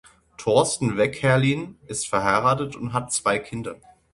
Thorsten Weckherlin ist verheiratet und hat zwei Kinder.